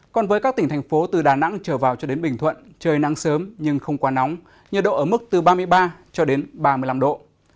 còn với các tỉnh thành phố từ đà nẵng trở vào cho đến bình thuận trời nắng sớm nhưng không quá nóng nhiệt độ ở mức từ ba mươi ba ba mươi năm độ